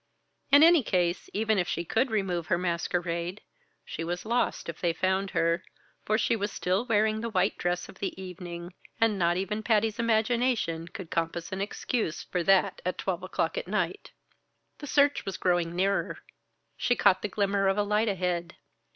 In any case, even if she could remove her masquerade, she was lost if they found her; for she was still wearing the white dress of the evening, and not even Patty's imagination could compass an excuse for that at twelve o'clock at night. The search was growing nearer; she caught the glimmer of a light ahead.